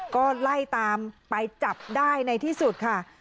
ก็ไล่ตามไปจับได้ในที่สุดค่ะ